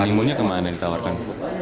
honeymoonnya kemana yang ditawarkan